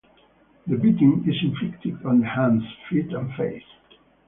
The beating is inflicted on the hands, feet, and face.